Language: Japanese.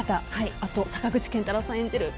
あと、坂口健太郎さん演じる